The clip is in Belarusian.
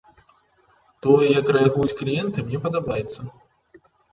Тое, як рэагуюць кліенты, мне падабаецца.